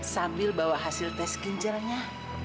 sambil bawa hasil tes ginjalnya